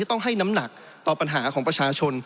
ต้องให้น้ำหนักต่อปัญหาของประชาชน